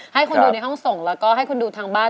ให้คุณดูในห้องส่งแล้วก็ให้คุณดูทางบ้าน